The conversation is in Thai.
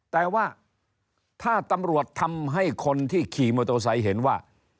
แต่ว่าถ้าตำรวจทำให้คนที่ขี่มอเตอร์ไซค์เห็นว่า